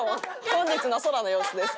「本日の空の様子です」。